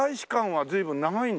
はい。